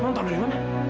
man tau dari mana